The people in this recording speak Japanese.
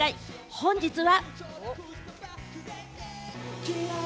本日は。